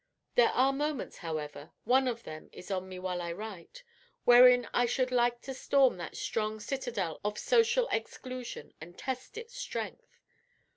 There are moments, however, one of them is on me while I write, wherein I should like to storm that strong citadel of social exclusion, and test its strength.